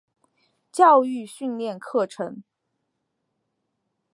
教育训练课程